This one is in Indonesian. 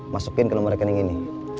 masukin ke nomor rekening ini